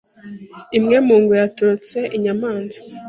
Imwe mu ngwe yatorotse inyamaswa.